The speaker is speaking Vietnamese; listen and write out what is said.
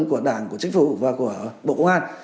của đảng của chính phủ và của bộ công an